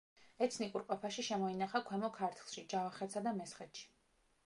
ეთნიკურ ყოფაში შემოინახა ქვემო ქართლში, ჯავახეთსა და მესხეთში.